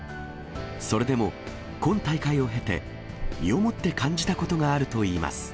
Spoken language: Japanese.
それでも今大会を経て、身をもって感じたことがあるといいます。